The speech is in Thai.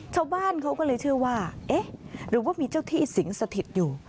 ชาวบ้านเขาก็เลยเชื่อว่าเอ๊ะหรือว่ามีเจ้าที่สิงสถิตอยู่